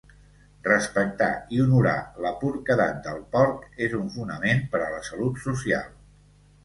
Respectar i honorar la porquedat del porc és un fonament per a la salut social.